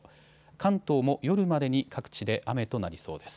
関東も夜までに各地で雨となりそうです。